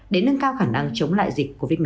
để nâng cao khả năng chống lại dịch covid một mươi